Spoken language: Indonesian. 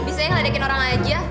bisa ngeledekin orang aja